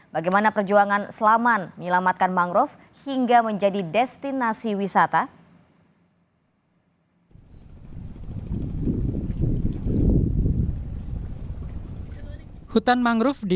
bagaimana perjuangan selamatan menyelamatkan mangrove hingga menjadi destinasi wisata